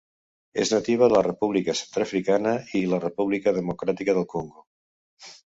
És nativa de la República Centreafricana i la República democràtica del Congo.